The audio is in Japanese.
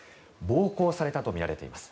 暴行されたとみられています。